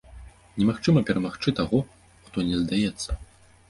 Немагчыма перамагчы таго, хто не здаецца!